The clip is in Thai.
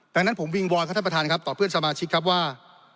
ดังนั้นผมวิงวอนครับท่านประธานครับต่อเพื่อนสมาชิกครับว่า